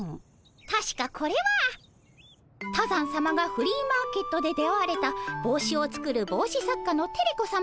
たしかこれは多山さまがフリーマーケットで出会われたぼうしを作るぼうし作家のテレ子さまが作られたおぼうしで。